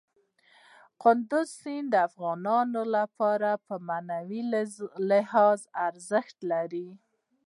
کندز سیند د افغانانو لپاره په معنوي لحاظ ارزښت لري.